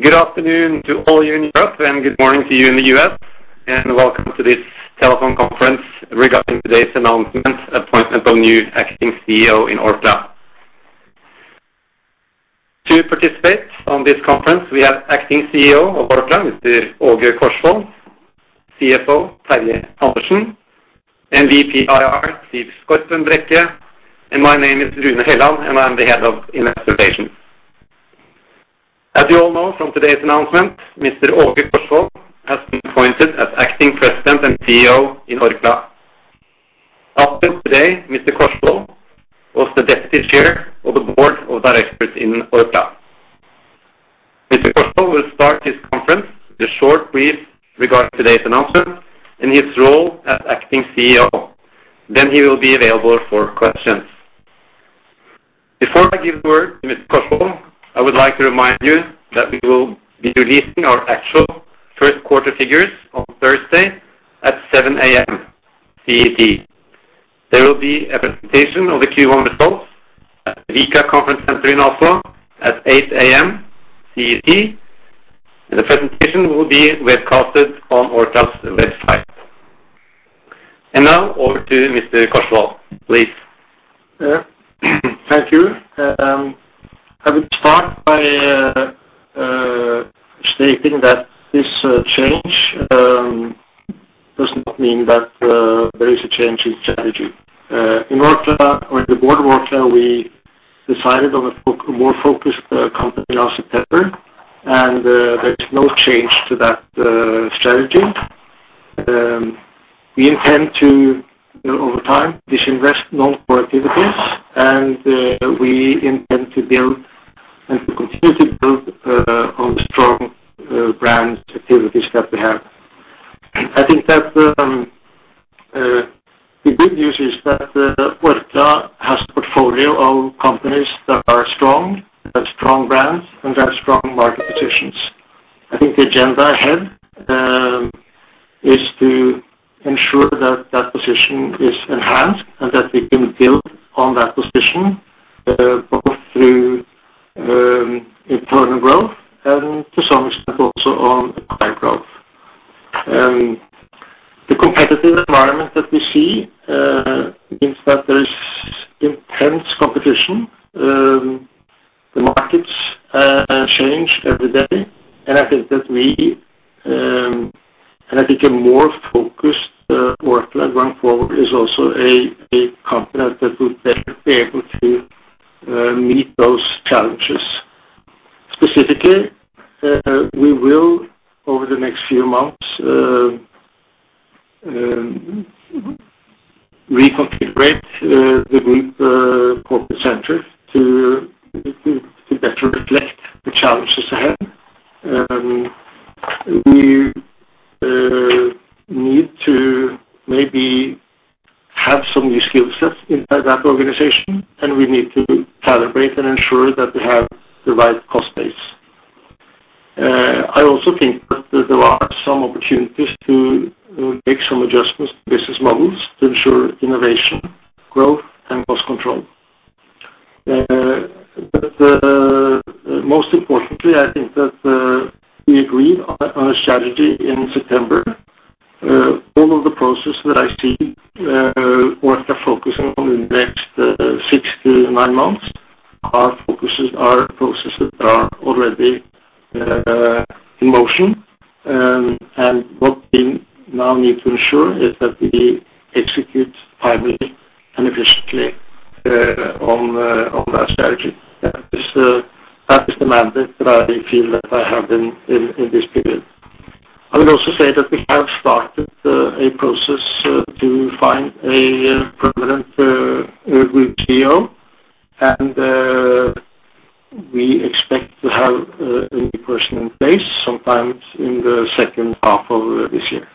Good afternoon to all you in Europe. Good morning to you in the U.S. Welcome to this telephone conference regarding today's announcement, appointment of new acting CEO in Orkla. To participate on this conference, we have Acting CEO of Orkla, Mr. Åge Korsvold, CFO, Terje Andersen, VP IR, Siv Skårpenbrekke. My name is Rune Helland, and I am the Head of Investor Relations. As you all know from today's announcement, Mr. Åge Korsvold has been appointed as Acting President and CEO in Orkla. Up until today, Mr. Korsvold was the Deputy Chair of the Board of Directors in Orkla. Mr. Korsvold will start this conference with a short brief regarding today's announcement and his role as Acting CEO. He will be available for questions. Before I give the word to Mr. Korsvold, I would like to remind you that we will be releasing our actual first quarter figures on Thursday at 7:00 A.M., CET. There will be a presentation of the Q1 results at the Vika Conference Center in Oslo at 8:00 A.M., CET. The presentation will be webcasted on Orkla's website. Now, over to Mr. Korsvold, please. Yeah. Thank you. I will start by stating that this change does not mean that there is a change in strategy. In Orkla, or the board of Orkla, we decided on a more focused company last September, and there's no change to that strategy. We intend to, over time, disinvest non-core activities, and we intend to build and to continue to build on the strong brand activities that we have. I think that the good news is that Orkla has a portfolio of companies that are strong, have strong brands, and have strong market positions. I think the agenda ahead is to ensure that that position is enhanced and that we can build on that position, both through internal growth and to some extent, also on acquired growth. The competitive environment that we see means that there is intense competition. The markets change every day. I think a more focused Orkla going forward is also a company that would better be able to meet those challenges. Specifically, we will, over the next few months, reconfigure the group corporate center to better reflect the challenges ahead. We need to maybe have some new skill sets in that organization, and we need to calibrate and ensure that we have the right cost base. I also think that there are some opportunities to make some adjustments to business models to ensure innovation, growth, and cost control. Most importantly, I think that we agreed on a strategy in September. All of the processes that I see, Orkla focusing on in the next six to nine months, are processes that are already in motion. What we now need to ensure is that we execute timely and efficiently on that strategy. That is, that is the mandate that I feel that I have in this period. I will also say that we have started a process to find a permanent group CEO, and we expect to have a person in place sometimes in the second half of this year.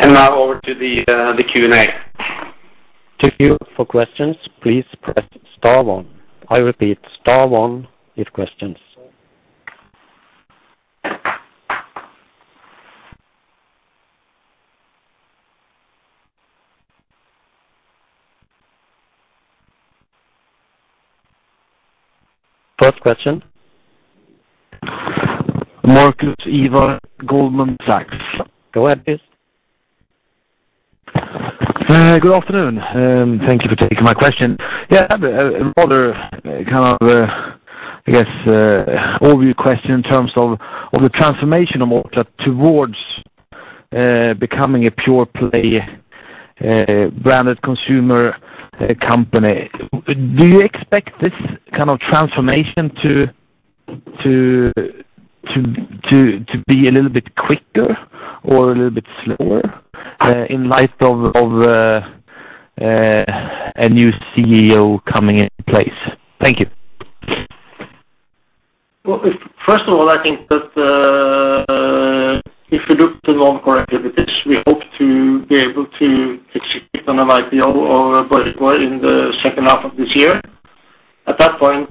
Now over to the Q&A. To queue for questions, please press star one. I repeat, star one if questions. First question? Markus Iwar, Goldman Sachs. Go ahead, please. Good afternoon, and thank you for taking my question. I have a rather overview question in terms of the transformation of Orkla towards becoming a pure play branded consumer company. Do you expect this kind of transformation to be a little bit quicker or a little bit slower in light of a new CEO coming in place? Thank you. Well, first of all, I think that if you look to non-core activities, we hope to be able to execute on an IPO or a buyer core in the second half of this year. At that point,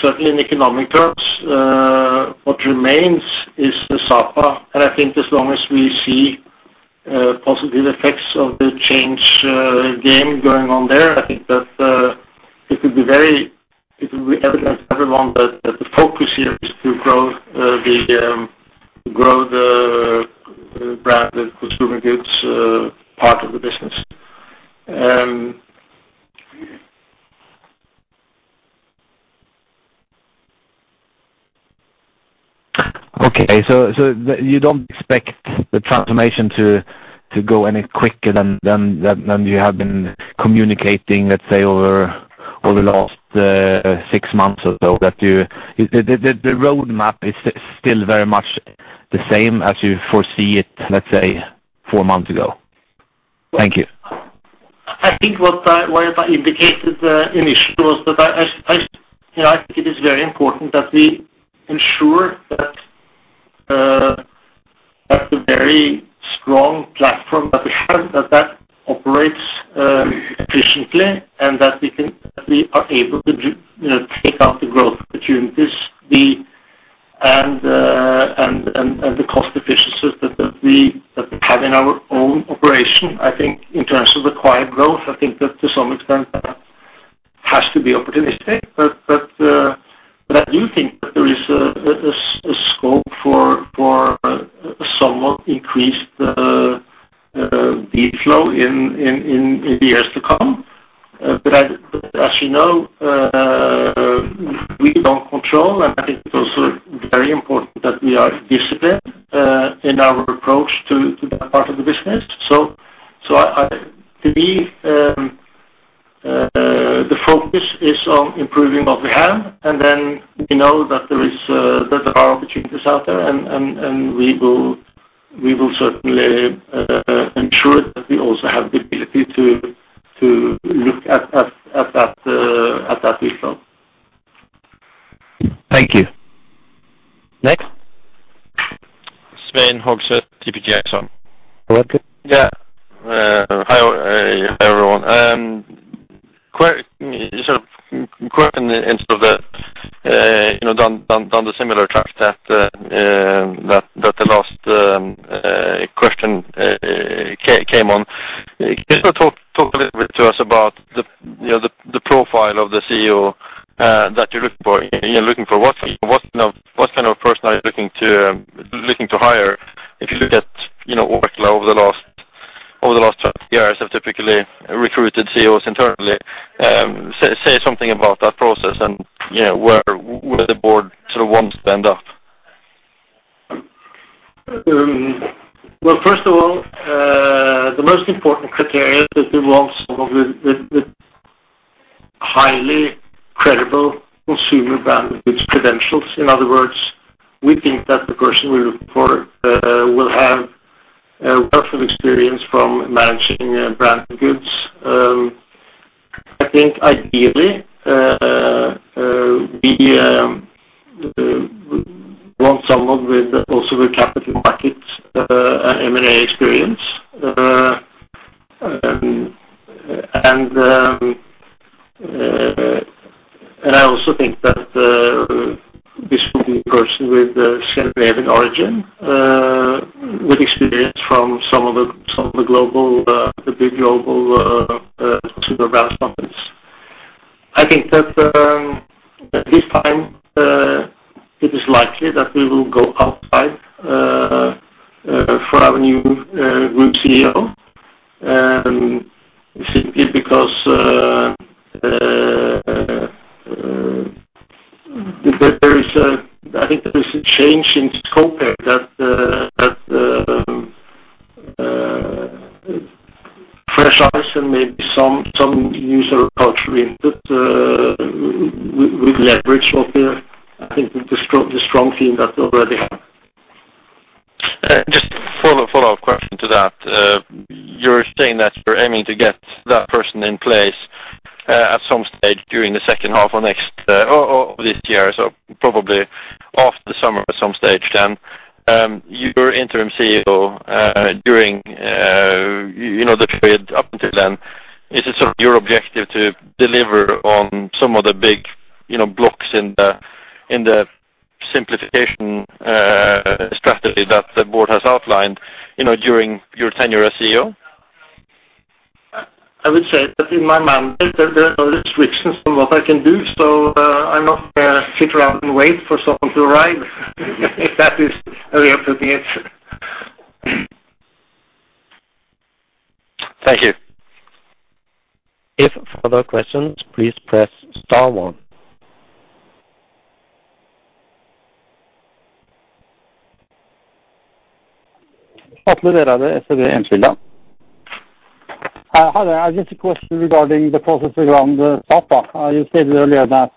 certainly in economic terms. What remains is the Sapa. I think as long as we see positive effects of the change game going on there, I think that it would be very evident to everyone that the focus here is to grow the grow the brand and consumer goods part of the business. Okay, the, you don't expect the transformation to go any quicker than you have been communicating, let's say, over the last six months or so, that the roadmap is still very much the same as you foresee it, let's say, four months ago? Thank you. I think what I indicated, initially was that I, you know, I think it is very important that we ensure that the very strong platform that we have, that operates efficiently, and that we are able to you know, take out the growth opportunities, we and the cost efficiencies that we have in our own operation. I think in terms of the quiet growth, I think that to some extent, that has to be opportunistic. I do think that there is a scope for somewhat increased deal flow in the years to come. As, as you know, we don't control, and I think it's also very important that we are disciplined in our approach to that part of the business. I to me, the focus is on improving what we have, and then we know that there is that there are opportunities out there, and we will certainly ensure that we also have the ability to look at that deal flow. Thank you. Next? Svein Hogset, DPG Iso. Hello. Hi, everyone. Quick, sort of quick in the instance of the, you know, down the similar track that the last question came on. Can you talk a little bit to us about the, you know, the profile of the CEO that you're looking for? You're looking for what kind of person are you looking to hire, if you get, you know, Orkla over the last 20 years, have typically recruited CEOs internally. Say something about that process and, you know, where the board sort of wants to end up? Well, first of all, the most important criteria is that we want someone with highly credible consumer brand goods credentials. In other words, we think that the person we're looking for will have wealth of experience from managing brand goods. I think ideally, we want someone with also the capital markets and M&A experience. I also think that this will be a person with a Scandinavian origin, with experience from some of the global, the big global consumer brands companies. I think that, at this time, it is likely that we will go outside for our new group CEO. Simply because I think there is a change in scope here that fresh eyes and maybe some user culture input, we leverage off the, I think, the strong team that we already have. Just a follow-up question to that. You're saying that you're aiming to get that person in place at some stage during the second half of next or this year, so probably after the summer at some stage then. Your interim CEO, during, you know, the period up until then, is it sort of your objective to deliver on some of the big, you know, blocks in the simplification strategy that the board has outlined, you know, during your tenure as CEO? I would say that in my mind, there are restrictions on what I can do, so, I'm not gonna sit around and wait for someone to arrive. If that is the opportunity. Thank you. If further questions, please press star one. ...Hi, there. I just a question regarding the processes around the Sapa. You said earlier that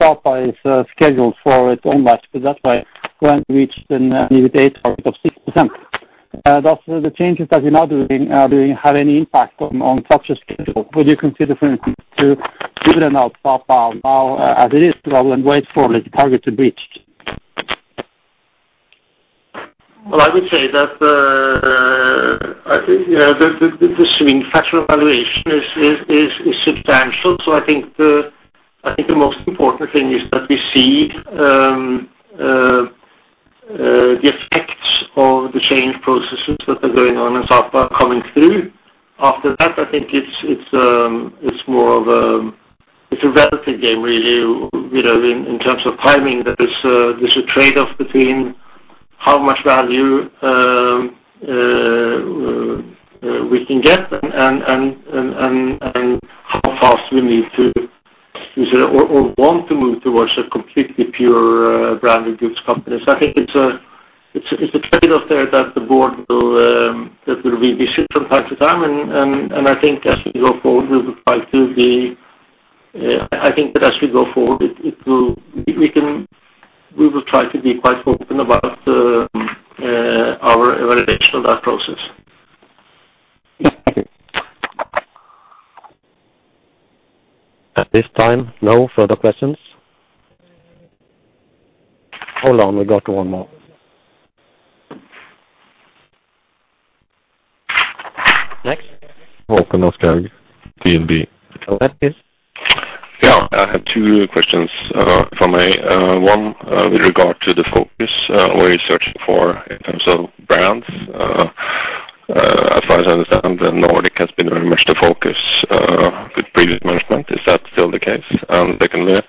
Sapa is scheduled for its own basis, that's why when reached a new date of 6%. Does the changes that you are doing have any impact on such a schedule? Would you consider, for instance, to give it an out Sapa now as it is, and wait for the target to be reached? Well, I would say that the, I think, yeah, the swing factor evaluation is substantial. I think the, I think the most important thing is that we see the effects of the change processes that are going on in SAP are coming through. After that, I think it's more of, it's a relative game, really, you know, in terms of timing, there's a, there's a trade-off between how much value we can get and how fast we need to or want to move towards a completely pure, branded goods company. I think it's a trade-off there that the board will that will revisit from time to time, and I think as we go forward, we will try to be, I think that as we go forward, we will try to be quite open about our evaluation of that process. At this time, no further questions. Hold on, we got one more. Next? Ole Martin Westgaard, DNB. Go ahead, please. Yeah, I have two questions. For me, one with regard to the focus, where you search for in terms of brands. As far as I understand, the Nordic has been very much the focus with previous management. Is that still the case? Secondly,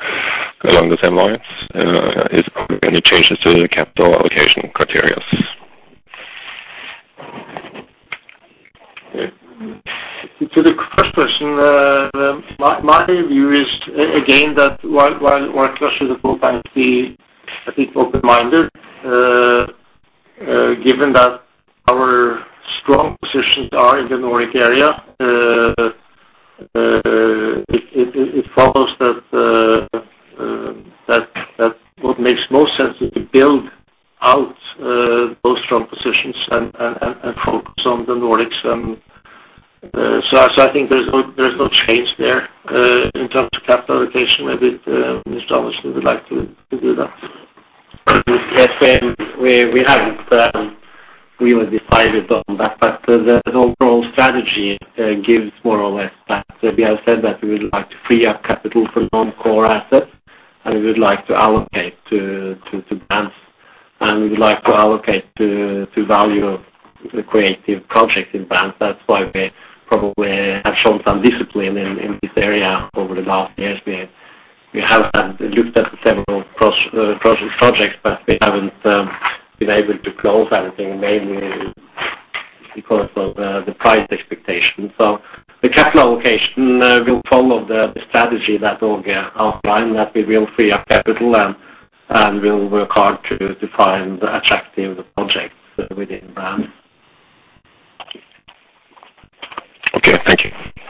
along the same lines, is there any changes to the capital allocation criteria? To the first question, my view is, again, that while one should at all times be, I think, open-minded, given that our strong positions are in the Nordic area, it follows that what makes most sense is to build out those strong positions and focus on the Nordics. I think there's no change there in terms of capital allocation. Maybe Mr. Andersen would like to do that. Yes, we haven't really decided on that. The overall strategy gives more or less that. We have said that we would like to free up capital for non-core assets, and we would like to allocate to brands, and we would like to allocate to value the creative projects in brands. That's why we probably have shown some discipline in this area over the last years. We have looked at several projects, we haven't been able to close anything, mainly because of the price expectation. The capital allocation will follow the strategy that Åge outlined, that we will free up capital and we'll work hard to find attractive projects within brand. Okay, thank you.